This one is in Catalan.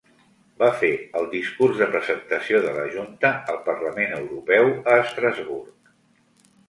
Va fer el discurs de presentació de la Junta al Parlament Europeu a Estrasburg.